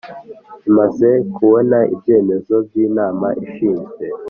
Imaze kubona ibyemezo by inama ishinzwe